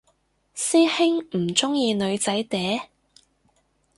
師兄唔鍾意女仔嗲？